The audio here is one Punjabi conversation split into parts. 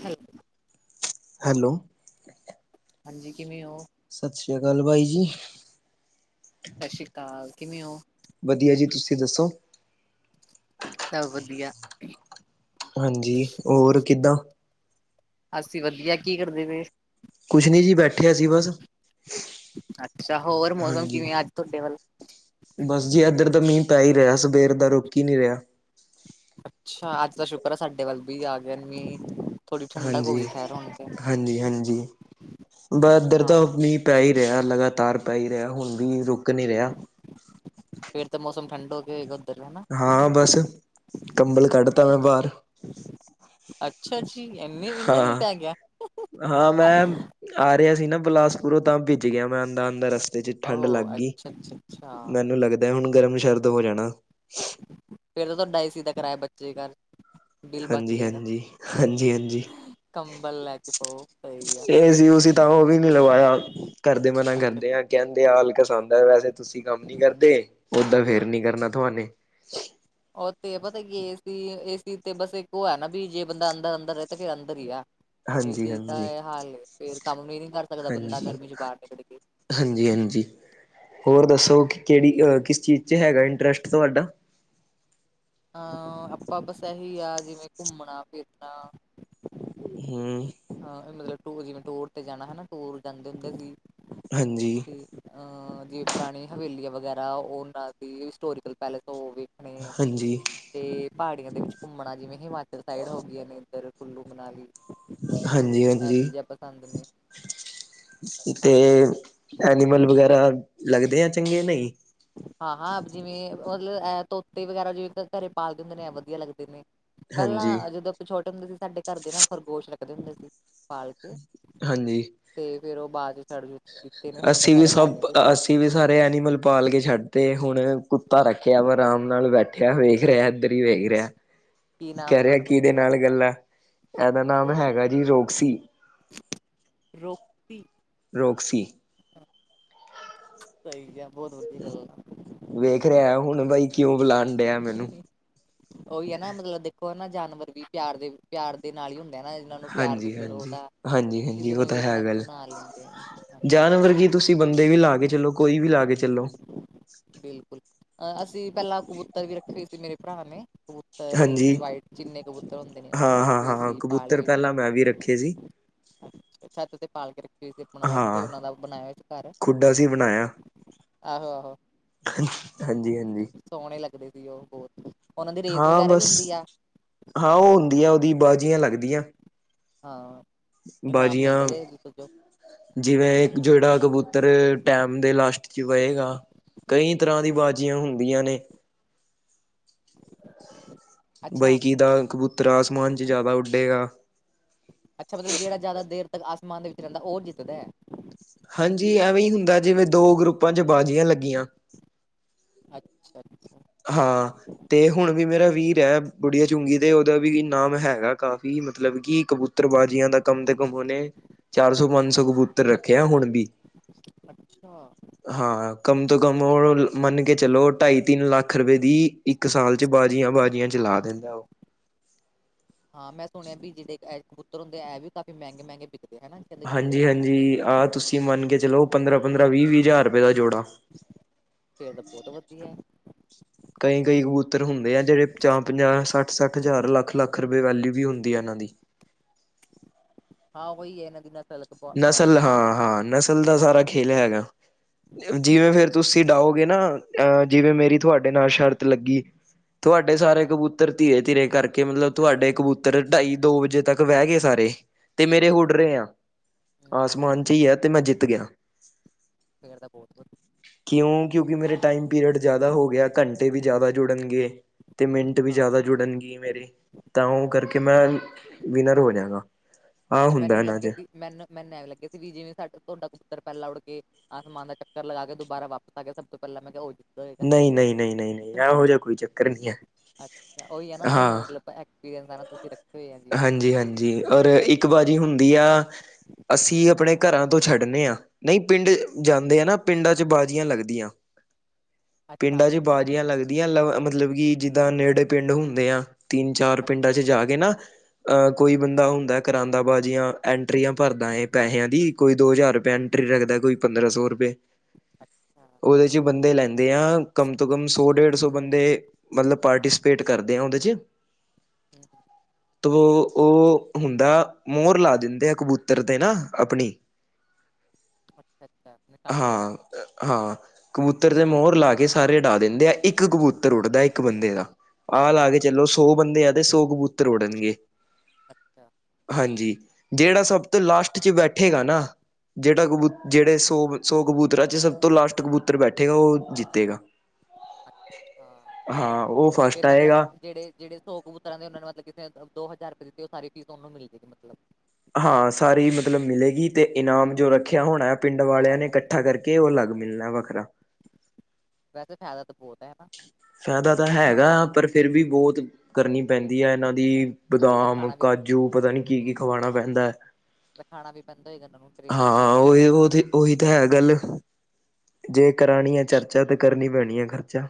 ਹੈਲੋ, ਹੈਲੋ, ਹਾਂਜੀ। ਕਿਵੇਂ ਹੋ? ਸਤਿ ਸ਼੍ਰੀ ਅਕਾਲ ਬਾਈ ਜੀ। ਸਤਿ ਸ਼੍ਰੀ ਅਕਾਲ ਕਿਵੇਂ ਹੋ। ਵਧੀਆ ਜੀ ਤੁਸੀਂ ਦੱਸੋ। ਸਭ ਵਧੀਆ ਹਾਂਜੀ ਹੋਰ ਕਿੱਦਾਂ ਅਸੀਂ ਵਧੀਆ ਕੀ ਕਰਦੇ ਪਏ ਕੁਛ ਨੀ ਜੀ ਬੈਠੇ ਆ ਅਸੀ ਬਸ ਅੱਛਾ ਹੋਰ ਮੌਸਮ ਹਾਂਜੀ। ਕਿਵੇਂ ਅੱਜ ਤੁਹਾਡੇ ਵੱਲ ਬਸ ਜੀ ਇੱਧਰ ਤਾ ਮੀਂਅ ਪੈ ਈ ਰਿਹਾ ਸਵੇਰ ਦਾ ਰੁਕ ਈ ਨੀ ਰਿਹਾ। ਅੱਛਾ ਅੱਜ ਦਾ ਸ਼ੁਕਰ ਹੈ ਸਾਡੇ ਵਲ ਵੀ ਆ ਗਿਆ ਮੀਅ ਹਾਂਜੀ-ਹਾਂਜੀ-ਹਾਂਜੀ ਬ ਇੱਧਰ ਤਾਂ ਹਾਂ ਆਪਣੀ ਪੈ ਈ ਰਿਹਾ ਲਗਾਤਾਰ ਪੈ ਈ ਰਿਹਾ ਹੁਣ ਵੀ ਰੁਕ ਕ ਨੀ ਰਿਹਾ। ਫੇਰ ਤਾਂ ਮੌਸਮ ਠੰਡ ਹੋ ਗਿਆ ਹੋਏ ਗਾ ਹਾਂ ਬਸ ਕੰਬਲ ਕੱਢਤਾ ਮੈਂ ਬਾਹਰ ਅੱਛਾ ਜੀ ਇਨੇ ਵੀ ਇਨਾ ਮੀਂਹ ਹਾਂ ਪੈ ਗਿਆ। ਹਾਂ ਮੈਂ [inaudible] ਆ ਰਿਹਾ ਸੀ ਨਾ ਬਲਾਸਪੁਰੋਂ ਤਾਂ ਭਿੱਜ ਗਿਆ ਮੈਂ ਆਂਦਾ ਆਂਦਾ ਰਸ ਦੇ 'ਚ ਠੰਡ ਓਹੋ ਲੱਗ ਗਈ ਅੱਛਾ ਅੱਛਾ ਅੱਛਾ ਮੈਨੂੰ ਲੱਗਦਾ ਹੁਣ ਗਰਮ-ਸ਼ਰਦ ਹੋ ਜਾਣਾ। ਫੇਰ ਉਹ ਦਾ ਡਾਈ ਸੀ ਦਾ ਕਰਾਇਆ ਬੱਚੇ ਕਰ ਹਾਂਜੀ- ਹਾਂਜੀ -ਹਾਂਜੀ -ਹਾਂਜੀ। ਕੰਬਲ ਲੈ ਕੇ ਪਾਓ ਸਹੀ ਆ ਏ ਸੀ ਉ ਸੀ ਤਾਂ ਉਹ ਵੀ ਨਹੀਂ ਲਵਾਇਆ। ਕਰਦੇ ਮਨਾ ਅੱਛਾ ਕਰਦੇ ਅੱਛਾ ਆ ਕਹਿੰ ਹਾਲਕਸ ਆਉਂਦ ਹੈ ਵੈਸੇ ਤੁਸੀਂ ਕੰਮ ਨੀ ਕਰਦੇ ਓਦਾਂ ਫੇਰ ਨੀ ਕਰਨਾ ਤੁਹਾਨੇ ਉਹ ਤੇ ਪਤਾ ਕਿ ਏ ਸੀ- ਏ ਸੀ ਤੇ ਬਸ ਇੱਕ ਉਹ ਹੈ। ਨਾ ਵੀ ਜੇ ਬੰਦਾ ਅੰਦਰ- ਅੰਦਰ ਰਹੇ ਤਾਂ ਫਿਰ ਅੰਦਰ ਹੀ ਐ। ਏ ਹਾਂਜੀ ਸੀ 'ਚ ਤਾਂ ਹਾਂਜੀ ਇਹ ਹਾਲ ਫੇਰ ਕੰਮ ਵੀ ਨੀ ਕਰ ਸਕਦਾ ਬੰਦਾ ਹਾਂਜੀ ਗਰਮੀ ਚ [inaudible] ਬਾਹਰ ਨਿਕਲ ਕੇ। ਹਾਂਜੀ- ਹਾਂਜੀ ਹੋਰ ਦੱਸੋ ਕਿ ਕਿਹੜੀ ਕਿਸ ਚੀਜ਼ 'ਚ ਹੈਗਾ ਇੰਟਰਸਟ ਤੁਹਾਡਾ ਹਾਂ ਆਪਾਂ ਬਸ ਇਹੀ ਆ ਜਿਵੇਂ ਘੁੰਮਣਾ-ਫਿਰਨਾ ਹੂੰ ਹਾਂ ਮਤਲਬ ਟ ਜਿਵੇਂ ਟੂਰ ਤੇ ਜਾਣਾ ਟੂਰ ਜਾਂਦੇ ਹੁੰਦੇ ਸੀ। ਹਾਂਜੀ ਅਹ ਜਿਵੇਂ ਪੁਰਾਣੀ ਹਵੇਲੀਆਂ ਵਗੈਰਾ ਓਨਾਂ ਦੀ ਹਿਸਟੋਰੀਕਲ ਪੈਲੇਸ ਹੋਵੇ। ਹਾਂਜੀ ਤੇ ਪਹਾੜੀਆਂ ਦੇ ਵਿੱਚ ਘੁੰਮਣਾ ਜਿਵੇਂ ਹਿਮਾਚਲ ਸਾਈਡ ਹੋ ਗਈਆਂ ਨੇ ਇੱਧਰ ਕੁੱਲੂ ਮਨਾਲੀ ਇਹ ਹਾਂਜੀ-ਹਾਂਜੀ ਚੀਜ਼ਾਂ ਪਸੰਦ ਨੇ ਤੇ ਹਾਂਜੀ ਐਨੀਮਲ ਵਗੈਰਾ ਲੱਗਦੇ ਆ ਚੰਗੇ ਨਹੀਂ। ਹਾਂ-ਹਾਂ ਜਿਵੇਂ ਮਤਲਬ ਤੋਤੇ ਵਗੈਰਾ ਜਿਵੇਂ ਘਰੇ ਪਾਲਦੇ ਹੁੰਦੇ ਨੇ ਵਧੀਆ ਲੱਗਦੇ ਨੇ। ਹਾਂਜੀ ਪਹਿਲਾਂ ਜਦੋਂ ਆਪਾਂ ਛੋਟੇ ਹੁੰਦੇ ਸੀ ਸਾਡੇ ਘਰ ਦੇ ਨਾ ਖਰਗੋਸ਼ ਲੱਗਦੇ ਹੁੰਦੇ ਸੀ। ਪਾਲ ਕੇ ਹਾਂਜੀ ਤੇ ਫੇਰ ਉਹ ਬਾਅਦ 'ਚ ਛੱਡ ਦਿੱਤੇ ਨੇ ਹੁਣ ਤਾਂ ਅਸੀਂ ਵੀ ਖੈਰ ਹੈ ਸਭ ਨੀ ਕੁਛ ਅਸੀਂ ਵੀ ਸਾਰੇ ਐਨੀਮਲ ਪਾਲ ਕੇ ਛੱਡਤੇ ਹੁਣ ਕੁੱਤਾ ਰੱਖਿਆ ਵਾ ਆਰਾਮ ਨਾਲ ਬੈਠੇ ਬੱਠਿਆ ਵੇਖ ਰਿਹਾ ਇੱਧਰ ਈ ਵੇਖ ਰਿਹਾ। ਕੀ ਨਾਮ ਕਹਿ ਹੈ ਰਿਹਾ ਤੁਹਾਡੇ ਕੁੱਤੇ ਕਿਦੇ ਦਾ ਨਾਲ ਗੱਲਾਂ ਇਹਦਾ ਨਾਮ ਹੈਗਾ ਜੀ ਰੋਕਸੀ ਰੋਕ ਰੋਕਸੀ ਸਹੀ ਕਿਆ, ਬਹੁਤ ਵਧੀਆ ਗੱਲ ਆ। ਵੇਖ ਰਿਹਾ ਹੁਣ ਬਾਈ ਕਿਉਂ ਬੁਲਾਉਣ ਡਿਆ ਮੈਨੂੰ ਆ ਉਹੀ ਹੈ ਨਾ ਮਤਲਬ ਦੇਖੋ ਹਨਾ ਜਾਨਵਰ ਵੀ ਪਿਆਰ ਦੇ ਪਿਆਰ ਦੇ ਨਾਲ ਹੀ ਹੁੰਦਾ ਹਨਾ ਇਹਨਾਂ ਨੂੰ ਪਿਆਰ ਹਾਂਜੀ- ਦਿੰਦੇ ਰਹੋ ਹਾਂਜੀ- ਤਾਂ ਹਾਂਜੀ- ਹਾਂਜੀ ਕਿਸੇ ਨੂੰ ਉਹ ਤਾਂ ਵੀ ਹੈ ਆਪਣਾ ਗੱਲ ਬਣਾ ਲੈਂਦੇ ਆ ਹਾਂਜੀ ਜਾਨਵਰ ਕੀ ਤੁਸੀਂ ਬੰਦੇ ਵੀ ਲਾ ਕੇ ਚੱਲੋ ਕੋਈ ਵੀ ਲਾ ਕੇ ਚੱਲੋ। ਬਿਲਕੁਲ ਅ ਅਸੀਂ ਪਹਿਲਾਂ ਕਬੂਤਰ ਵੀ ਰੱਖੇ ਸੀ ਮੇਰੇ ਭਰਾ ਨੇ। ਕਬੂਤਰ ਹਾਂਜੀ ਜਿਵੇਂ ਵਾਈਟ ਚਿੰਨੇ ਕਬੂਤਰ ਹੁੰਦੇ ਨੇ ਉਹ ਹਾਂ ਹਾਂ ਰੱਖੇ ਹੋਏ ਹਾਂ ਸੀ ਪਾਲੇ ਕਬੂਤਰ ਹੋਏ ਸੀ। ਪਹਿਲਾਂ ਮੈਂ ਵੀ ਰੱਖੇ ਸੀ ਛੱਤ ਤੇ ਪਾਲ ਕੇ ਰੱਖੀ ਹੋਏ ਸੀ ਆਪਣਾ ਉੱਥੇ ਹਾਂ ਉਹਨਾ ਦਾ ਬਣਾਇਆ ਹੋਇ ਸੀ ਘਰ। ਖੁੱਡਾ ਸੀ ਆਹੋ-ਆਹੋ। ਹਾਂਜੀ-ਹਾਂਜੀ। ਸੋਹਣੇ ਲੱਗਦੇ ਪਈ, ਉਹ ਬਹੁਤ ਉਹਨਾਂ ਦੀ ਰੇਸ ਹਾਂ, ਵਗੈਰਾ ਵੀ ਬਸ। ਹੁੰਦੀ ਆ ਹਾਂ, ਹੁੰਦੀ ਆ ਉਹਦੀ, ਬਾਝੀਆਂ ਲੱਗਦੀਆ। ਹਾਂ। ਇਨਾਮ ਬਾਜੀਆਂ ਮਿਲਦੇ ਜੇ ਜੋ ਜਿਵੇਂ, ਜਿਹੜਾ ਕਬੂਤਰ ਟੈਮ ਦੇ ਲਾਸਟ ਵਹੇਗਾ ਕਈ ਤਰ੍ਹਾਂ ਦੀ, ਬਾਜ਼ੀਆਂ ਹੁੰਦੀਆਂ ਨੇ। ਅ। [inaudible] ਬਈਕੀ ਤਾਂ, ਕਬੂਤਰ ਆਸਮਾਨ'ਚ ਜ਼ਿਆਦਾ ਉੱਡੇਗਾ। ਅੱਛਾ, ਮਤਲਬ ਜਿਹੜਾ ਜ਼ਿਆਦਾ ਦੇਰ ਤੱਕ ਆਸਮਾਨ ਦੇ ਵਿੱਚ ਰਹਿੰਦਾ, ਉਹ ਜਿੱਤਦਾ ਹੈ। ਹਾਂਜੀ, ਐਵੇਂ ਹੀ ਹੁੰਦਾ, ਜਿਵੇਂ ਦੋ ਗਰੁੱਪਾਂ'ਚ ਬਾਜ਼ੀਆ ਲੱਗੀਆਂ ਅੱਛਾ-ਅੱਛਾ। ਹਾਂ। ਤੇ, ਹੁਣ ਵੀ ਮੇਰਾ ਵੀਰ ਹੈ ਬੁੜੀਆਂ ਚੂੰਗੀ ਤੇ, ਉਹਦਾ ਵੀ ਨਾਮ ਹੈਗਾ, ਕਾਫੀ ਮਤਲਬ ਕੀ, ਕਬੂਤਰ ਪੱਤਰਬਾਜ਼ੀਆਂ ਦਾ ਕੰਮ ਤੇ, ਕਮ ਉਹਨੇ, ਚਾਰ ਸੌ, ਪੰਜਸੌ ਕਬੂਤਰ ਰੱਖੇ ਆ ਹੁਣ ਵੀ। ਅੱਛਾ! ਹਾਂ, ਕਮ ਤੋਂ ਕਮ ਉਹ ਮੰਨਕੇ ਚਲੋ, ਢਾਈ, ਤਿੰਨ ਲੱਖ-ਰੁਪਏ ਦੀ, ਇੱਕ ਸਾਲ'ਚ ਬਾਜੀਆਂ, ਬਾਜੀਆਂ ਚਲਾ ਦਿੰਦਾ ਉਹ। ਹਾਂ, ਮੈਂ ਸੁਣਿਆ ਵੀ ਜਿਹੜੇ ਇਹ ਕਬੂਤਰ ਹੁੰਦੇ ਐ, ਐ, ਵੀ ਕਾਫੀ ਮਹਿੰਗੇ-ਮਹਿੰਗੇ ਵਿਕਦੇ ਹਨਾ। ਕਹਿੰਦੇ ਜੋੜੇ ਹੁੰਦੇ ਹਾਂਜੀ-ਹਾਂਜੀ, ਇਹਨਾਂ ਦੇ ਆਹ ਤੁਸੀਂ ਮੰਨਕੇ ਚਲੋ, ਪੰਦਰਾਂ-ਪੰਦਰਾਂ, ਵੀਹ-ਵੀਹ ਹਜ਼ਾਰ ਰੁਪਏ ਦਾ ਜੋੜਾ। ਫੇਰ ਤਾ ਬਹੁਤ ਵਧੀਆ ਏ। ਕਈ- ਕਈ ਕਬੂਤਰ ਹੁੰਦੇ ਆ, ਜਿਹੜੇ ਪੰਜਾਹ-ਪੰਜਾਹ, ਸੱਠ-ਸੱਠ ਹਜ਼ਾਰ, ਲੱਖ-ਲੱਖ ਬੇ, ਵੈਲੀਊ ਵੀ ਹੁੰਦੀ ਆ ਇਹਨਾਂ ਦੀ। ਹਾਂ, ਵੋਹੀ ਹੈ ਨਾ ਦਿਨਾਂ ਨਸਲ, ਹਾਂ-ਹਾਂ, ਨਸਲ ਦਾ ਸਾਰਾ ਖੇਲ ਹੈਗਾ। ਜਿਵੇਂ ਫਿਰ ਤੁਸੀ ਡਾਓਗੇ ਨਾ, ਅਹ, ਜਿਵੇਂ, ਮੇਰੀ ਤੁਹਾਡੇ ਨਾਲ ਸ਼ਰਤ‌ ਲੱਗੀ ਅੱਛਾ ਤੁਹਾਡੇ ਸਾਰੇ ਅੱਛਾ ਕਬੂਤਰ ਧੀਰੇ-ਧੀਰੇ ਕਰਕੇ ਮਤਲਬ, ਤੁਹਾਡੇ ਕਬੂਤਰ ਢਾਈ, ਦੋ ਵਜੇ ਤੱਕ ਵਹਿ ਗਏ ਸਾਰੇ, ਤੇ ਮੇਰੇ ਹੂੰ ਹੂੰ ੳੜ ਰਹੇ ਆ। ਹੂੰ ਹੂੰ, ਆਸਮਾਨ' ਚ ਹੀ ਹੈ, ਤੇ ''ਮੈਂ ਜਿੱਤ ਗਿਆ। ਫੇਰ ਤਾਂ ਬਹੁਤ ਵਧੀਆ ਕਿਉਂ? ਕਿਉਂਕੀ, ਮੇਰੇ ਟਾਈਮ ਪੀਰੀਅਡ ਜ਼ਿਆਦਾ ਹੋਗਿਆ, ਘੰਟੇ ਵੀ ਜ਼ਿਆਦਾ ਜੁੜਨਗੇ। ਅਤੇ, ਮਿੰਟ ਵੀ, ਹਾਂ ਜ਼ਿਆਦਾ ਜੁੜਨਗੇ ਮੇਰੇ। ਤਾਂ, ਉਹ ਕਰਕੇ ਮੈਂ, ਵਿਨਰ ਹੋ ਜਾਂਗਾ। ਅੱਛਾ, ਮੈਨੂੰ ਲੱਗਿਆ ਸੀ, ਮੈਨੂੰ, ਮੈਨੂੰ ਐਂ ਲੱਗਿਆ ਸੀ, ਵੀ, ਜਿਵੇਂ ਤੁਹਾਡਾ ਕਬੂਤਰ ਪੈਲਾ ਉੜ ਕੇ ਆਸਮਾਨ ਦਾ ਚੱਕਰ ਲਗਾਕੇ, ਦੁਬਾਰਾ ਵਾਪਸ ਆਗਿਆ ਸਭ ਤੋਂ ਪਹਿਲਾਂ ਮੈਂ ਕਿਹਾ, ਓਹੀ ਨਹੀਂ ਨਹੀਂ ਨਹੀਂ ਨਹੀਂ ਨਹੀਂ ਇਹੋ ਜਿਹਾ ਕੋਈ ਚੱਕਰ ਨਹੀਂ ਹੈ ਅੱਛਾ, ਉਹੀ ਹੈ ਨਾ, ਤੁਹਾਨੂੰ ਮਤਲਬ ਤੁਸੀ। [unintelligible] ਹਾਂਜੀ-ਹਾਂਜੀ, ਔਰ, ਇੱਕ ਬਾਜੀ ਹੁੰਦੀ ਆ ਅਸੀਂ, ਅਪਣੇ ਘਰਾਂ ਤੋਂ ਛੱਡਨੇ ਹਾਂ। ਨਹੀਂ, ਪਿੰਡ ਜਾਂਦੇ ਆ ਨਾ, ਪਿੰਡਾਂ'ਚ ਬਾਜ਼ੀਆਂ ਲੱਗਦੀਆਂ। ਅੱਛਾ ਪਿੰਡਾਂ'ਚ ਬਾਜ਼ੀਆਂ ਲੱਗਦੀਆਂ ਲ, ਮਤਲਬ ਕਿ, ਜਿੱਦਾਂ ਨੇੜੇ ਪਿੰਡ ਹੁੰਨੇ ਆ। ਤਿੰਨ ਚਾਰ ਅੱਛਾ ਪਿੰਡਾਂ ਚ ਅੱਛਾ ਜਾ ਕੇ ਨਾ ਅਹ ਕੋਈ ਬੰਦਾ ਹੁੰਦਾ ਕਰਾਂਦਾ ਬਾਜ਼ੀਆਂ। ਐਂਟਰੀਆਂ ਭਰਦਾ ਹੈ ਪੈਸਿਆਂ ਦੀ ਕੋਈ ਦੋ ਹਜ਼ਾਰ ਰੁਪਏ ਐਂਟਰੀ ਰੱਖਦਾ ਕੋਈ ਪੰਦਰਾਂ ਸੌ ਰੁਪਏ। ਅੱਛਾ ਉਹਦੇ ਚ ਬੰਦੇ ਲੈਂਦੇ ਆ ਕਮ ਤੋਂ ਕਮ ਸੌ ਡੇਢ ਸੌ ਬੰਦੇ। ਮਤਲਬ, ਪਾਰਟੀਸਪੇਟ ਕਰਦੇ ਹਾਂ, ਉਹਦੇ'ਚ ਹੂੰ ਤੋ, ਉਹ ਹੁੰਦਾ, ਮੋਰ ਲਾ ਦਿੰਦੇ ਆ ਕਬੂਤਰ ਤੇ ਨਾ, ਆਪਣੀ। ਅੱਛਾ ਅੱਛਾ ਨਿਸ਼ਾਨੀ ਲਗਾ ਹਾਂ। ਦਿੱਤੀ ਹੈ। ਹਾਂ, ਕਬੂਤਰ ਤੇ ਮੋਹਰ ਲਾਕੇ ਸਾਰੇ ਉਡਾ ਦਿੰਦੇ ਆ, ਇੱਕ ਕਬੂਤਰ ਉੱਡਦਾ ਇੱਕ ਬੰਦੇ ਦਾ। ਆਹ ਲਾਕੇ ਚੱਲੋ, ਸੌ ਬੰਦੇ ਆ ਤੇ, ਸੌ ਕਬੂਤਰ ਉੜਨਗੇ। ਅੱਛਾ। ਹਾਂਜੀ, ਜਿਹੜਾ ਸਭ ਤੋਂ ਲਾਸਟ'ਚ ਬੈਠੇਗਾ ਨਾ ਜਿਹੜਾ ਕਬੂ, ਜਿਹੜੇ ਸੌ, ਸੋ ਕਬੂਤਰਾਂ'ਚ ਸਭ ਤੋਂ ਲਾਸਟ ਕਬੂਤਰ ਬੈਠੇਗਾ ਉਹ ਜਿੱਤੇਗਾ। ਅੱਛਾ ਹਾਂ, ਉਹ ਫੇਰ ਫਸਟ ਮਤਲਬ ਆਏਗਾ। ਜਿਹੜੇ ਜਿਹੜੇ ਸੋ ਕਬੂਤਰਾਂ ਨੇ ਉਹ ਨੇ ਮਤਲਬੇ ਦੋ ਹਜ਼ਾਰ ਰੁਪਏ ਦਿੱਤੀ ਉਹ ਸਾਰੀ ਫੀਸ ਉਹਨ ਨੂੰ ਮਿਲਏਗੀ ਮਤਲਬ। ਹਾਂ, ਸਾਰੀ ਮਤਲਬ ਮਿਲੇਗੀ ਤੇ ਇਨਾਮ ਜੋ ਰੱਖਿਆ ਹੋਣਾ ਪਿੰਡ ਉਹ ਵਾਲਿਆਂ ਨੇ ਵਾਲਾ ਇਕੱਠਾ ਕਰਕੇ ਕਿ ਉਹ ਅੱਗ ਮਿਲਣਾ ਵੱਖਰਾ। ਵੈਸੇ ਫਾਇਦਾ ਤਾਂ ਬਹੁਤ ਹੈ ਨਾ। ਫਾਇਦਾ ਤਾਂ ਹੈਗਾ ਪਰ ਫਿਰ ਵੀ ਬਹੁਤ ਕਰਨੀ ਪੈਂਦੀ ਹੈ ਇਹਨਾਂ ਦੀ ਬਦਾਮ ਸਿਖਾਣਾ ਵੀ ਕਾਜੂ ਜੂ ਪਤਾ ਨੀ ਕੀ ਕੀ ਖਵਾਉਣਾ ਪੈਂਦਾ ਹੈ। ਰਖਾਉਣਾ ਵੀ ਪੈਂਦਾ ਹੋਏਗਾ ਇਹਨਾਂ ਨੂੰ ਟ੍ਰੇਨਿੰਗ ਹਾਂ ਵਗੈਰਾ ਵੀ। ਉਹੀ ਉਹ ਉਹੀ ਤਾਂ ਹੈ ਗੱਲ। ਜੇ ਕਰਾਉਣੀ ਹੈ ਚਰਚਾ ਤਾਂ ਕਰਨੀ ਪੈਣੀ ਹੈ ਖਰਚਾ।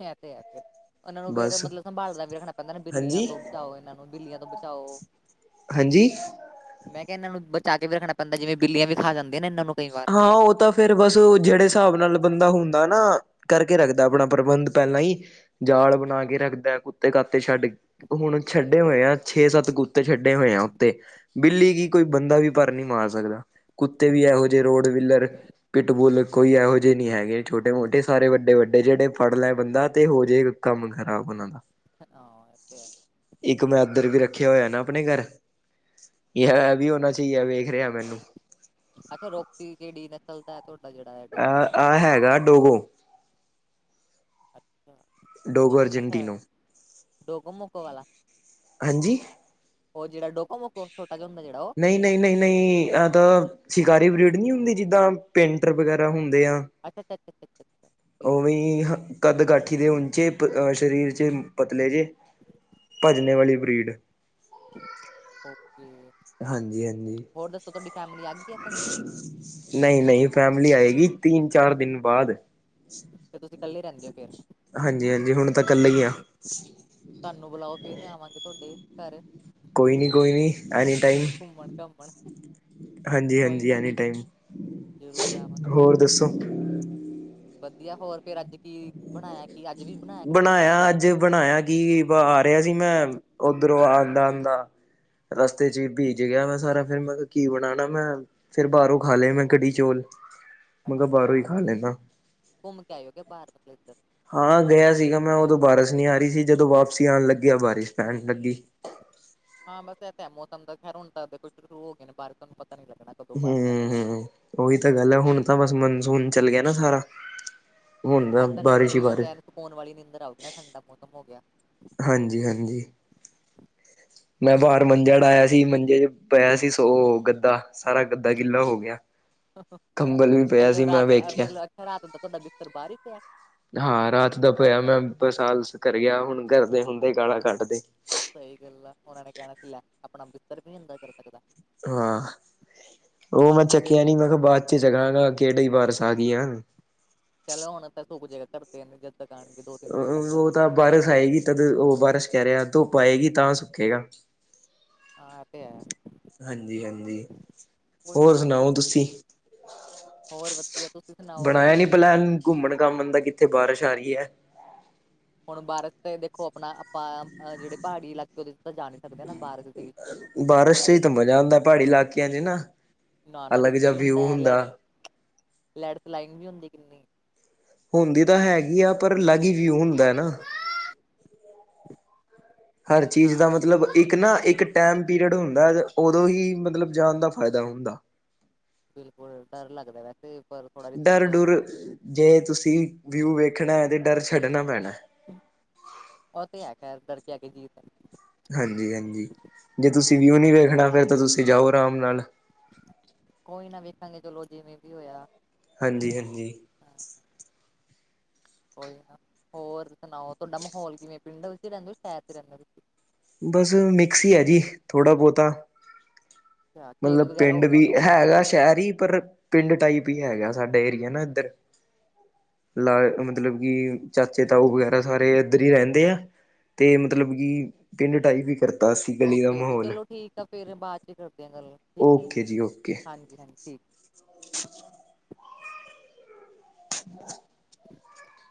ਇਹ ਤੇ ਹੈ ਫਿ ਇਹਨਾਂ ਨੂੰ ਫੇਰ ਬਸ ਮਤਲਬ ਸੰਭਾਲਦਾ ਵੀ ਰੱਖਣਾ ਪਹਿੰਦਾ ਬਿੱਲੀਆਂ ਹਾਂਜੀ ਤੋਂ ਬਚਾਓ ਇਹਨਾਂ ਨੂੰ ਬਿੱਲੀਆਂ ਤੋਂ ਬਚਾਓ। ਹਾਂਜੀ। ਮੈਂ ਕਿਹਾ ਇਹਨਾਂ ਨੂੰ ਬਚਾ ਕੇ ਵੀ ਰੱਖਣਾ ਪੈਂਦਾ ਜਿਵੇਂ ਬਿੱਲੀਆਂ ਵੀ ਖਾ ਜਾਂਦੇ ਨਾ ਇਹਨਾਂ ਨੂੰ ਕਈ ਵਾਰ। ਹਾਂ, ਉਹ ਤਾਂ ਫੇਰ ਬਸ ਜਿਹੜੇ ਹਿਸਾਬ ਨਾਲ ਬੰਦਾ ਹੁੰਦਾ ਨਾ ਕਰਕੇ ਰੱਖਦਾ ਆਪਣਾ ਪ੍ਰਬੰਧ। ਪਹਿਲਾਂ ਹੀ ਜਾਲ ਬਣਾ ਕੇ ਰੱਖਦਾ ਕੁੱਤੇ ਕਾਤੇ ਛੱਡ ਹੁਣ ਛੱਡੇ ਹੋਏ ਆ ਛੇ ਸੱਤ ਕੁੱ ਕੁੱਤੇ ਛੱਡੇ ਹੋਏ ਆ ਉੱਤੇ ਬਿੱਲੀ ਕੀ ਕੋਈ ਬੰਦਾ ਵੀ ਪਰ ਨੀ ਮਾਰ ਸਕਦਾ ਕੁੱਤੇ ਵੀ ਇਹੋ ਜਿਹੇ। ਜੇ ਰੋਡ ਵਿਲਰ। ਪਿੱਟ ਬੁਲ ਕੋਈ ਇਹੋ ਜਿਹੇ ਨਹੀਂ ਹੈਗੇ ਛੋਟੇ ਮੋਟੇ ਸਾਰੇ ਵੱਡੇ ਵੱਡੇ ਜਿਹੜੇ ਫੜ ਲਏ ਬੰਦਾ ਤੇ ਇਹੋ ਜਿਹੇ। ਕੰਮ ਖ਼ਰਾਬ ਉਹਨਾਂ ਦਾ। ਹਾਂ। ਤੇ ਹੈ ਇੱਕ ਮੈਂ ਅੰਦਰ ਵੀ ਰੱਖਿਆ ਹੋਇਆ ਨਾ ਆਪਣੇ ਘਰ। ਇਹ ਵੀ ਹੋਣਾ ਚਾਹੀਦਾ ਵੇਖ ਰਿਹਾ ਮੈਂ। ਅ ਰੋਪੀ ਜਿਹੜੀ ਨਸਲ ਦਾ ਤੁਹਾਡਾ ਜਿਹੜਾ ਹੈ ਟੋਪੀ ਆ। ਹਾਂ ਹੈਗਾ। ਡਕੋ। ਅੱ ਡੋਗੋ ਅਰਜੈਂਟਨੋ। ਡੋਗ ਮੱਕ ਵਾਲਾ। ਹਾਂਜੀ। ਉਹ ਜਿਹੜਾ ਡੋਕੋ ਮੇਕੋ ਛੋਟਾ ਜਾ ਹੁੰਦਾ ਜਿਹੜਾ ਉਹ। ਨਹੀਂ, ਨਹੀਂ, ਨਹੀਂ ਨਹੀਂ, ਇਹ ਤਾਂ ਸ਼ਿਕਾਰ ਬਰੀਡ ਨਹੀਂ ਹੁੰਦੀ ਜਿੱਦਾਂ ਪੇਂਟਰ ਵਗੈਰਾ ਹੁੰਦੇ ਆ। ਅੱ ਉਵੇਂ ਕੱਦ ਕਾਠੀ ਦੇ ਉਚੇ ਅਹ ਸਰੀਰ ਚ ਪਤਲੇ ਜੇ। ਭੱਜਨੇ ਵਾਲੀ ਬਰੀਡ। [unintelligible] ਓਕੇ ਹਾਂਜੀ-ਹਾਂਜੀ। ਹੋਰ ਦੱਸੋ ਤੁਹਾਡੀ ਫੈਮਿਲੀ ਆ ਗਈ ਆ ਘੁੰਮ ਕੇ ਨਹੀਂ ਨਹੀਂ ਫੈਮਲੀ ਆਏਗੀ ਤਿੰਨ ਚਾਰ ਦਿਨ ਬਾਅਦ। ਤੇ ਤੁਸੀਂ ਇਕੱਲੇ ਰਹਿੰਦੇ ਹੋ ਫਿਰ। ਹਾਂਜੀ ਹਾਂਜੀ ਹੁਣ ਤਾਂ ਇਕੱਲੇ ਹ। ਤੁਹਾਨੂੰ ਬੁਲਾਓ ਫੇਰ ਤੇ ਆਵਾਂਗੇ ਤੁਹਾਡੇ ਘਰ। ਕੋਈ ਨਹੀਂ ਕੋਈ ਨਹੀਂ ਅਜੇ ਟਾਈਮ। ਘੁੰਮਣ ਘਾਮਣ ਹਾਂਜੀ ਕੋਈ ਹਾਂਜੀ, ਨਾ ਐਨੀ ਟਾਈਮ ਜ਼ਰੂਰ ਆਵਾਂਗੇ ਹੋਰ ਦੱਸੋ? ਵਧੀਆ, ਹੋਰ ਫੇਰ ਅੱਜ ਕੀ ਬਣਾਇਆ? ਕੀ ਅੱਜ ਵੀ ਕਿ ਨਹੀਂ ਬਣਾਇਆ ਕੁੱਝ ਅੱਜ ਬਣਾਇਆ ਕੀ ਆ ਰਿਹਾ ਸੀ ਮੈਂ ਉੱਧਰੋਂ ਆਉਂਦਾ ਆਉਂਦਾ ਰਸਤੇ ਚ ਭੀਜ ਗਿਆ ਮੈਂ ਸਾਰਾ ਫਿਰ ਮੈਂ ਕਿਹਾ ਕੀ ਬਣਾਉਣਾ ਮੈਂ ਫੇਰ ਬਾਹਰੋਂ ਖਾ ਲਏ ਮੈਂ ਕੜੀ ਚੌਲ, ਮੈਂ ਕਿਹਾ ਬਾਹਰੋਂ ਹੀ ਅੱਛਾ ਖਾ ਲੈਂਦਾ। ਘੁੰਮ ਕੇ ਆਇਓ ਬਾਹਰ ਲ ਹਾਂ ਗਿਆ ਸੀਗਾ ਮੈਂ ਉਦੋਂ ਬਾਰਿਸ਼ ਨਹੀਂ ਆ ਰਹੀ ਸੀ ਜਦੋਂ ਵਾਪਸੀ ਆਉਣ ਲੱਗਿਆ ਬਾਰਿਸ਼ ਪੈਣ ਲੱਗੀ। ਹਾਂ ਬਸ ਇ ਤਾਂ ਹੈ ਮੌਸਮ ਦਾ ਖੈਰ ਹੁਣ ਤਾਂ ਦੇਖੋ ਸ਼ੁਰੂ ਹੋ ਗਏ ਨੇ ਬਾਰਿਸ਼ ਤੁਹਾਨੂੰ ਪਤਾ ਨੀ ਲੱਗਣਾ। ਕਦੋਂ ਬਾਰਿਸ਼ ਆ ਹਮ ਗਈ ਹਮ ਉਹੀ ਤਾਂ ਗੱਲ ਹੈ ਹੁਣ ਤਾਂ ਬਸ ਮੋਂਨਸੂਨ ਚੱਲ ਗਿਆ ਨਾ ਸਾਰਾ। ਹੁਣ ਅੱਜ ਤਾਂ ਨਿੰਦਰ ਬਾਰਿਸ਼ ਹੀ ਵੀ ਬਾਰਿਸ਼ ਵੈਸੇ ਸੁ ਸਕੋਨ ਵਾਲੀ ਨਿੰਦਰ ਆਉਗੀ ਨਾ ਠੰਡਾ ਮੌਸਮ ਹੋ ਗਿਆ। ਹਾਂਜੀ ਹਾਂਜੀ। ਮੈਂ ਬਾਹਰ ਮੰਜਾ ਡਾਇਆ ਸੀ ਮੰਜੇ ਚ ਪਿਆ ਸੀ ਸੋ ਗੱਦਾ ਸਾਰਾ ਗੱਦਾ ਗਿਲਾ ਹੋ ਗਿਆ ਅੱਜ ਕੰਬਲ ਵੀ ਪਿਆ ਸੀ ਮਤਲਬ ਮੈਂ ਰਾਤ ਵੇਖਿਆ ਮਤਲਬ ਰਾਤ ਦਾ ਤੁਹਾਡਾ ਬਿਸਤਰ ਬਾਹਰ ਹੀ ਪਿਆ ਹਾਂ ਰਾਤ ਦਾ ਪਿਆ ਮੈਂ ਬਰਸਾਤ ਘਰੇ ਗਿਆ ਹੁਣ ਘਰਦੇ ਹੁੰਦੇ ਕਾਲਾ ਕਢ ਦੇ ਸਹੀ ਗੱਲ ਆ ਉਹਨਾਂ ਨੇ ਕਹਿਣਾ ਸੀ ਲੈ ਆਪਣਾ ਬਿੱਸਤਰ ਵੀ ਅੰਦਰ ਕਰ ਸਕਦਾ ਹਾਂ ਉਹ ਮੈਂ ਫੇਰ ਚੱਕਿਆ ਨੀ ਮੈਂ ਕਿਹਾ ਬਾਅਦ ਚ ਚਕਾਗਾ ਕਿਹੜੀ ਬਾਰਿਸ ਆ ਗਈ ਆ। ਚਲੋ ਹੁਣ ਤਾਂ ਸੁੱਕ ਜੇਗਾ ਧਰਦੇ ਜਦ ਤੱਕ ਆਣਗੇ ਦੋ ਤਿੰਨ ਦਿਨ ਤੱਕ ਤਾਂ ਉਹ ਸੁੱਕ ਜਏਗਾ। ਬਾਰਿਸ਼ ਆਏਗੀ ਤਦ ਉਹ ਬਾਰਿਸ਼ ਕਹਿ ਰਿਹਾ ਧੁੱਪ ਆਏਗੀ ਤਾਂ ਸੁੱਕੇਗਾ ਹਾਂ ਆ ਤੇ ਹੈ ਹਾਂਜੀ ਹਾਂਜੀ ਕੋਈ ਹੋਰ ਨਾ ਸੁਣਾਓ ਧੁੱਪ ਵੀ ਤੁਸੀਂ। ਨਿਕਲ ਹੋਰ ਵਧੀਆ ਤੁਸੀਂ ਸੁਣਾਓ ਬਣਾਇਆ ਨੀ ਤੁਸੀਂ ਪਲੈਨ ਘੁੰਮਣ ਘਾਮਣ ਦਾ ਕਿੱਥੇ ਬਾਰਿਸ਼ ਆ ਰਹੀ ਹੈ। [inaudible] ਹੁਣ ਬਾਰਸ ਤੇ ਦੇਖੋ ਆਪਣਾ ਆਪਾਂ ਜਿਹੜੇ ਪਹਾੜ ਇਲਾਕੇ ਦੇ ਤਾਂ ਜਾ ਨਹੀਂ ਸਕਦੇ ਨਾ ਬਾਰ ਦੇ ਵਿੱਚ ਥੋੜਾ ਰ ਬੰਦਾ ਪਹਾੜੀ ਇਲਾਕਿਆਂ ਚ ਨਾ। ਨਾ ਅਲੱਗ ਰਿਸਕ ਜਿਹਾ ਵੀ ਹੁੰਦਾ ਵਿਊ ਹੈ ਲੈਟ ਲੈਟ ਸਲਾਈਗ ਵੀ ਹੁੰਦੀ ਕਿੰਨੀ। ਹੁੰਦੀ ਤਾਂ ਹੈਗੀ ਆ ਪਰ ਅਲੱਗ ਹੀ ਵਿਊ ਹੁੰਦਾ ਨਾ ਹਰ ਚੀਜ਼ ਦਾ ਹਾਂ ਇਹ ਤੇ ਹੈ ਮਤਲਬ ਇੱਕ ਨਾ ਇੱਕ ਟਾਈਮ ਪੀਰੀਅਡ ਹੁੰਦਾ ਉਦੋਂ ਹੀ ਮਤਲਬ ਜਾਣ ਦਾ ਫਾਇਦਾ ਹੁੰਦਾ। ਬਿਲਕੁਲ ਡਰ ਲੱਗਦਾ ਵੈਸੇ ਪਰ ਥੋੜਾ ਜਤੀ ਡਰ ਦਾ ਡੁਰ ਹੁੰਦਾ ਜੇ ਤੁਸੀਂ ਵਿਊ ਵੇਖਣਾ ਹੈ ਤੇ ਡਰ ਛੱਡਣਾ ਪੈਣਾ। ਉਹ ਤੇ ਹੈ ਫੇਰ ਡਰ ਕੇ ਅੱਗੇ ਜੀਤ ਹੈ। ਹਾਂਜੀ ਹਾਂਜੀ ਜੇ ਤੁਸੀਂ ਵਿਊ ਨਹੀਂ ਵੇਖਣਾ ਫਿਰ ਤਾਂ ਤੁਸੀਂ ਜਾਓ ਆਰਾਮ ਨਾਲ। ਕੋਈ ਨਾ ਵੇਖਾਂਗੇ ਚਲੋ ਜਿਵੇਂ ਵੀ ਹੋਇਆ। ਹਾਂਜੀ ਹਾਂਜੀ। ਹਾਂ। ਕੋਈ ਨਾ ਹੋਰ ਸੁਣਾਓ ਤੁਹਾਡਾ ਮਾਹੌਲ ਕਿਵੇਂ ਪਿੰਡ ਵਿੱਚ ਰਹਿੰਦੇ ਹੋ ਸ਼ਹਿਰ ਚ ਰਹਿੰਦੇ ਹੋ ਤੁਸੀਂ। ਬਸ ਮਿਕਸ ਹੀ ਹੈ ਜੀ ਥੋੜ੍ਹਾ ਬਹੁਤਾ ਅੱਛਾ, ਖੇਤ ਮਤਲਬ ਵਗੈਰਾ ਹੋ ਪਿੰਡ ਗਏ ਵੀ ਹੋਣੇ ਹੋਣਗੇ ਹੈਗਾ ਉੱਧਰ ਸ਼ਹਿਰ ਹੀ ਪਰ ਪਿੰਡ ਟਾਈਪ ਹੀ ਹੈਗਾ ਸਾਡਾ ਏਰੀਆ ਨਾ ਇੱਧਰ ਲਾ ਮਤਲਬ ਕਿ ਚਾਚੇ ਤਾਓ ਵਗੈਰਾ ਸਾਰੇ ਇੱਧਰ ਹੀ ਰਹਿੰਦੇ ਆ ਅਤੇ ਮਤਲਬ ਕਿ ਪਿੰਡ ਟਾਈਪ ਵੀ ਕਰ ਓਕੇ ਓਕੇ, ਚਲੋ ਠੀਕ ਆ ਫਿਰ ਬਾਅਦ 'ਚ ਕਰਦੇ ਹਾਂ ਗੱਲ ਠੀਕ ਹੈ ਓਕੇ ਜੀ ਓਕੇ ਹਾਂਜੀ ਹਾਂਜੀ ਠੀਕ। [inaudible] [inaudible]